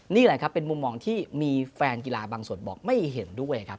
นี่แหละครับเป็นมุมมองที่มีแฟนกีฬาบางส่วนบอกไม่เห็นด้วยครับ